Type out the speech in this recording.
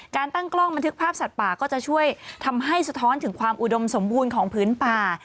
ตั้งกล้องบันทึกภาพสัตว์ป่าก็จะช่วยทำให้สะท้อนถึงความอุดมสมบูรณ์ของพื้นป่า